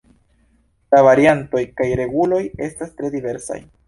La variantoj kaj reguloj estas tre diversaj.